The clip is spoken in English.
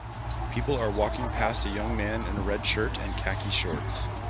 People are walking past a young man in a red shirt and khaki shorts.